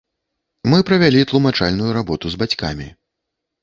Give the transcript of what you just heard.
Мы правялі тлумачальную работу з бацькамі.